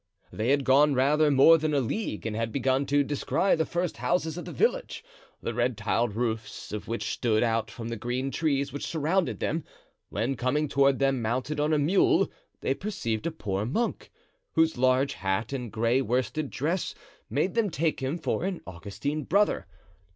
They had gone rather more than a league and had begun to descry the first houses of the village, the red tiled roofs of which stood out from the green trees which surrounded them, when, coming toward them mounted on a mule, they perceived a poor monk, whose large hat and gray worsted dress made them take him for an Augustine brother.